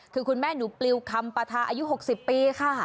คือคุณแม่หนูปลิวคำปะทาอายุ๖๐ปีค่ะ